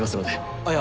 あっいや。